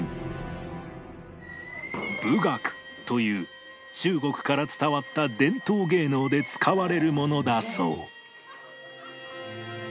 舞楽という中国から伝わった伝統芸能で使われるものだそう